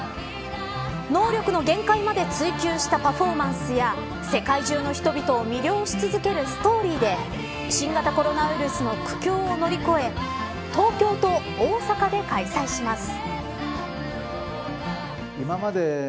能力の限界まで追求したパフォーマンスや世界中の人々を魅了し続けるストーリーで新型コロナウイルスの苦境を乗り越え東京と大阪で開催します。